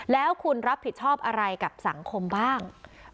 แล้วคุณรับผิดชอบอะไรกับสังคมบ้าง